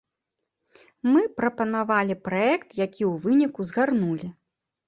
Мы прапанавалі праект, які ў выніку згарнулі.